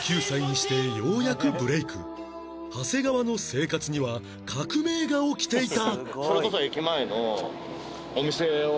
長谷川の生活には革命が起きていた